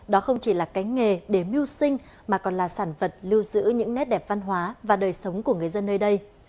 đó không chỉ là cái nghề để mưu sinh mà còn là sản vật lưu giữ những nét đẹp văn hóa và đời sống của người dân nơi đây